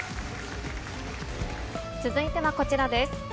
続いてはこちらです。